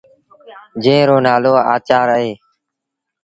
جݩهݩ رو نآلو آچآر اهي۔